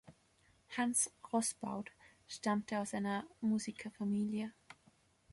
Hans Rosbaud stammte aus einer Musikerfamilie.